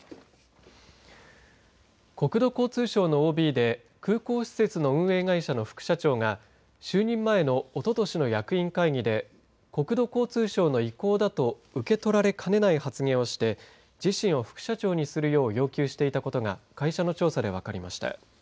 国土交通省のＯＢで空港施設の運営会社の副社長が就任前のおととしの役員会議で国土交通省の意向だと受け取られかねない発言をして自身を副社長にするよう要求していたことが会社の調査で分かりました。